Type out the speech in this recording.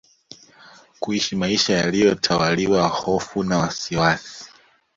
kuishi maisha yaliyo tawaliwa hofu na wasiwasi